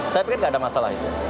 saya pikir tidak ada masalah itu